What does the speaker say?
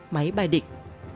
máy bay địch